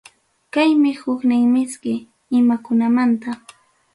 Kaymi huknin miski imakunamanta.